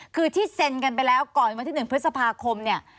คือที่เซ็นกันไปแล้วก่อนวันที่๑พฤษภาคมเนี่ย